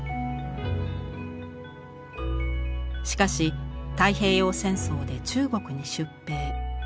しかし太平洋戦争で中国に出兵。